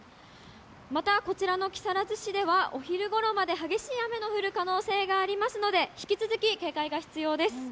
また、こちらの木更津市では、お昼ごろまで激しい雨の降る可能性がありますので、引き続き、警戒が必要です。